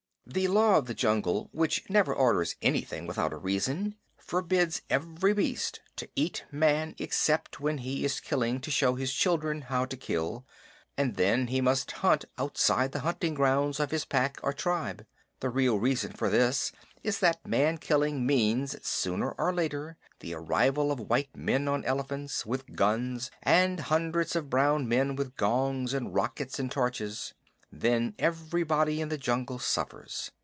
The Law of the Jungle, which never orders anything without a reason, forbids every beast to eat Man except when he is killing to show his children how to kill, and then he must hunt outside the hunting grounds of his pack or tribe. The real reason for this is that man killing means, sooner or later, the arrival of white men on elephants, with guns, and hundreds of brown men with gongs and rockets and torches. Then everybody in the jungle suffers.